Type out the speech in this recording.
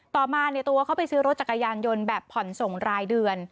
ต่อมาตัวเขาไปซื้อรถจักรยานยนต์แบบผ่อนส่งรายเดือน